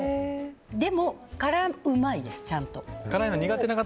でも、辛うまいです、ちゃんと。